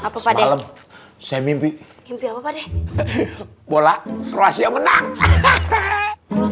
gw apa padat semimpi bola kruasia menang